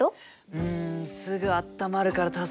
うんすぐあったまるから助かってるよ。